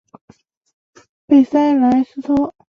贝塞莱西托。